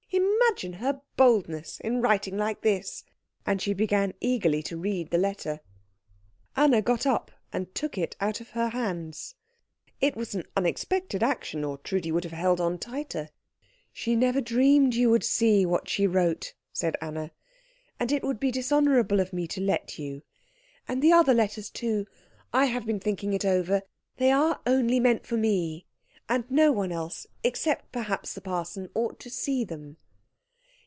Imagine her boldness in writing like this!" And she began eagerly to read the letter. Anna got up and took it out of her hands. It was an unexpected action, or Trudi would have held on tighter. "She never dreamed you would see what she wrote," said Anna, "and it would be dishonourable of me to let you. And the other letters too I have been thinking it over they are only meant for me; and no one else, except perhaps the parson, ought to see them."